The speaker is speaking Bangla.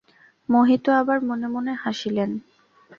মোহিত আবার মনে মনে হাসিলেন।